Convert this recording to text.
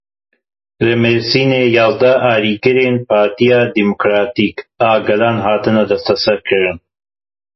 Li Mersînê yazdeh alîgirên Partiya Demokratîk a Gelan hatin desteserkirin.